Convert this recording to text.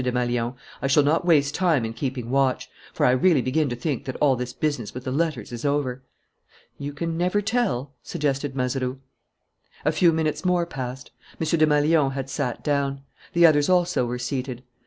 Desmalions, "I shall not waste time in keeping watch. For I really begin to think that all this business with the letters is over." "You can never tell," suggested Mazeroux. A few minutes more passed. M. Desmalions had sat down. The others also were seated.